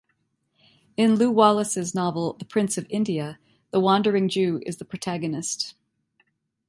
In Lew Wallace's novel "The Prince of India", the Wandering Jew is the protagonist.